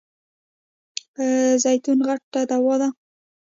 زیتون غټه دوا ده .